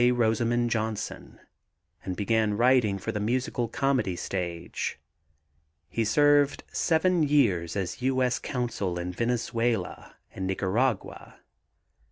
Rosamond Johnson, and began writing for the musical comedy stage. He served seven years as U. S. Consul in Venezuela and Nicaragua.